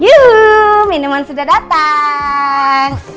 yuhuuu minuman sudah datang